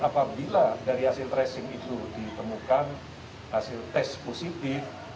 apabila dari hasil tracing itu ditemukan hasil tes positif